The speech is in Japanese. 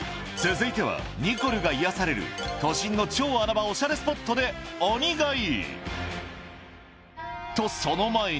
続いてはニコルが癒やされる都心の超穴場おしゃれスポットで鬼買い